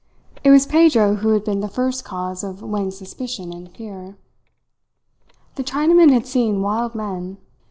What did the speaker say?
It was Pedro who had been the first cause of Wang's suspicion and fear. The Chinaman had seen wild men.